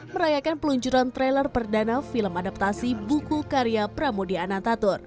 merayakan peluncuran trailer perdana film adaptasi buku karya pramodia anantatur